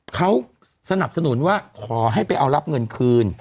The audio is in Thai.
เขาสนับสนุนว่าขอให้ไปเอารับเงินคืน